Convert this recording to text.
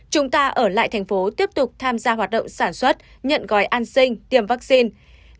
chúng ta ở lại thành phố tiếp tục tham gia hoạt động sản xuất nhận gói an sinh tiêm vaccine